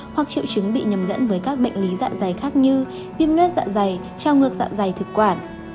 hoặc triệu chứng bị nhầm lẫn với các bệnh lý dạ dày khác như viêm lết dạ dày trao ngược dạ dày thực quản